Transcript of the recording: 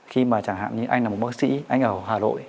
khi mà chẳng hạn như anh là một bác sĩ anh ở hà nội